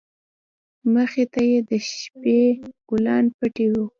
مخې ته يې د شبۍ د گلانو پټى و.